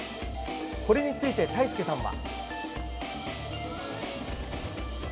これについて、タイスケさんは。